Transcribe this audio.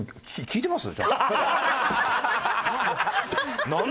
聞いてます！